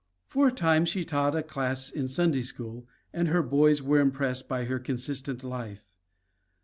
For a time she taught a class in Sunday school, and her boys were impressed by her consistent life.